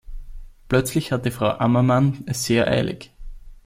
Plötzlich hatte Frau Ammermann es sehr eilig.